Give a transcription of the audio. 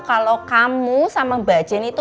kalau kamu sama mbak jenny itu